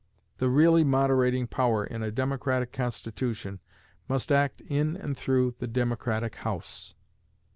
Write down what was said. The really moderating power in a democratic constitution must act in and through the democratic House.